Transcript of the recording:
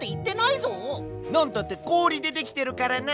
なんたってこおりでできてるからな！